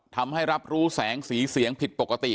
ทำให้รับรู้แสงสีเสียงผิดปกติ